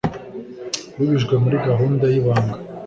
Wibijwe muri gahunda yibanga